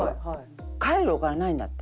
帰るお金ないんだって。